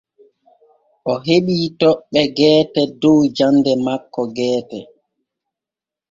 O heɓii toɓɓe geete dow jande makko geete.